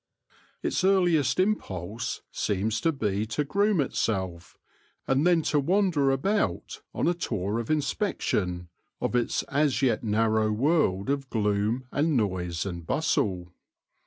Its earliest impulse seems to be to groom itself, and then to wander about on a tour of in spection of its as yet narrow world of gloom and noise and bustle.